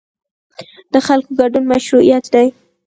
د خلکو ګډون مشروعیت دی